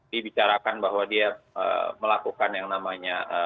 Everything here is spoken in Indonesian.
dibicarakan bahwa dia melakukan yang namanya